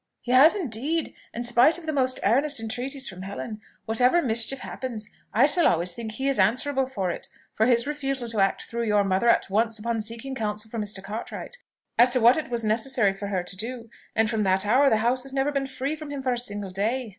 "He has indeed, and spite of the most earnest entreaties from Helen. Whatever mischief happens, I shall always think he is answerable for it; for his refusal to act threw your mother at once upon seeking counsel from Mr. Cartwright, as to what it was necessary for her to do; and from that hour the house has never been free from him for a single day."